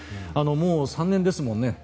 もう３年ですもんね。